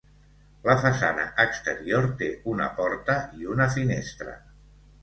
La façana exterior té una porta i una finestra.